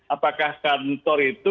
apakah kantor itu